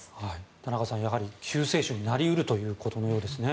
田中さん救世主になり得るということのようですね。